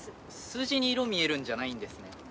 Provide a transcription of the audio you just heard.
数字に色見えるんじゃないんですね？